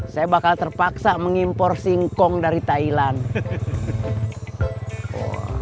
saya bakal terpaksa mengimpor singkong dari thailand